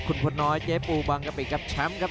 คุณพ่อน้อยเจฟอูบางกะปรีกกับชัมป์ครับ